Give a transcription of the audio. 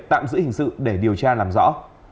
tạm giữ hình sự để điều tra làm rõ